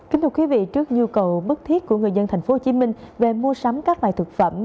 kính thưa quý vị trước nhu cầu bức thiết của người dân tp hcm về mua sắm các loài thực phẩm